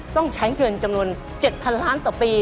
ต้องใช้เงินจำนวน๗๐๐ล้านต่อปี